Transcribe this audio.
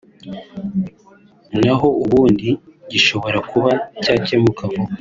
na ho ubundi gishobora kuba cyakemuka vuba